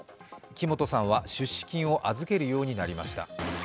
木本さんは出資金を預けるようになりました。